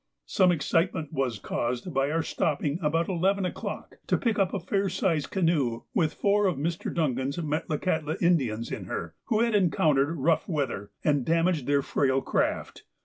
Some excitement was caused by our stopping about eleven o'clock to pick up a fair sized canoe with four of Mr. Duncan's Metlakatla Indians in her, who had encountered rough weather and damaged their frail craft.